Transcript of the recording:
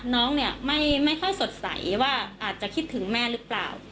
น้องเนี่ยไม่ค่อยสดใสว่าอาจจะคิดถึงแม่หรือเปล่า